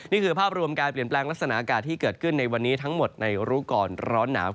นี่คือภาพรวมการเปลี่ยนแปลงลักษณะอากาศที่เกิดขึ้นในวันนี้ทั้งหมดในรู้ก่อนร้อนหนาว